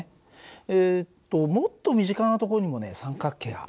えっともっと身近なとこにもね三角形はあるんだよ。